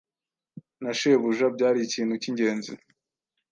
na shebuja byari ikintu cy'ingenzi,